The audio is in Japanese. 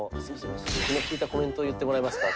もうちょっと気の利いたコメントを言ってもらえますか」